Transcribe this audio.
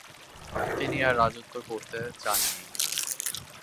তিনি আর রাজত্ব করতে চান নি।